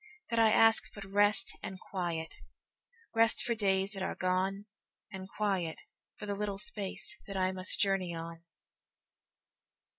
That I ask but rest and quiet—Rest for days that are gone, And quiet for the little spaceThat I must journey on.